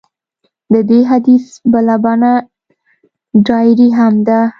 د دې حدیث بله بڼه ډایري هم ده.